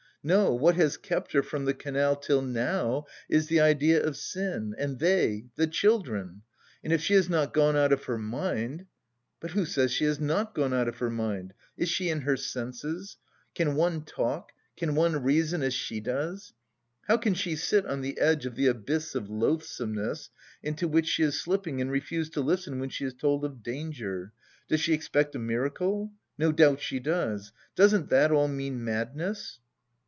"No, what has kept her from the canal till now is the idea of sin and they, the children.... And if she has not gone out of her mind... but who says she has not gone out of her mind? Is she in her senses? Can one talk, can one reason as she does? How can she sit on the edge of the abyss of loathsomeness into which she is slipping and refuse to listen when she is told of danger? Does she expect a miracle? No doubt she does. Doesn't that all mean madness?"